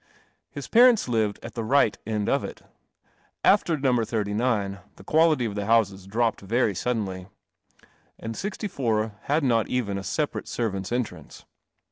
His parents lived at the right end of it. After No. 39 the quality of the houses dropped very suddenly, and 64 had not even a separate servants' entrance.